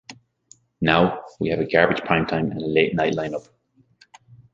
Now, we have a garbage primetime and late-night lineup.